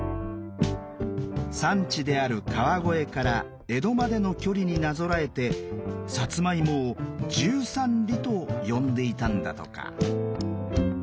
産地である川越から江戸までの距離になぞらえてさつまいもを「十三里」と呼んでいたんだとか。